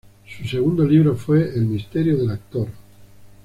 Su segundo libro fue "El misterio del actor".